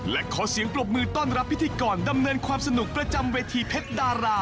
และขอเสียงปรบมือต้อนรับพิธีกรดำเนินความสนุกประจำเวทีเพชรดารา